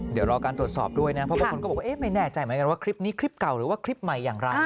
เดี๋ยวรอการตรวจสอบด้วยนะเพราะบางคนก็บอกว่าไม่แน่ใจเหมือนกันว่าคลิปนี้คลิปเก่าหรือว่าคลิปใหม่อย่างไร